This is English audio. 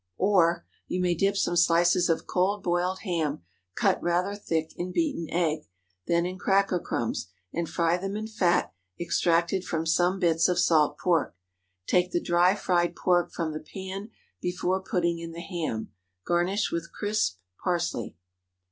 Or, You may dip some slices of cold boiled ham—cut rather thick—in beaten egg, then in cracker crumbs, and fry them in fat extracted from some bits of salt pork. Take the dry fried pork from the pan before putting in the ham. Garnish with crisped parsley.